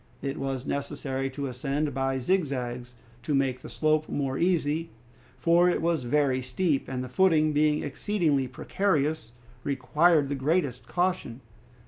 It was necessary to ascend by zigzags to make the slope more easy, for it was very steep, and the footing being exceedingly precarious required the greatest caution.